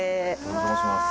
お邪魔します。